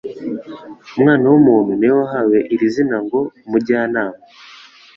"Umwana w'umuntu ni we wahawe iri zina ngo "Umujyanama,